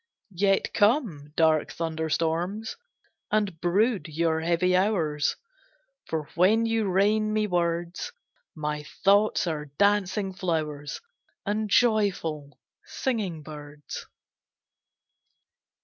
Yet come, dark thunderstorms, And brood your heavy hours; For when you rain me words, My thoughts are dancing flowers And joyful singing birds.